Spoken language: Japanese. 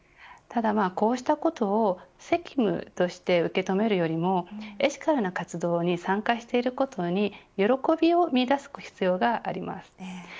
こうしたことを責務として受け止めるよりエシカルな活動に参加していることに喜びを見いだす必要があります。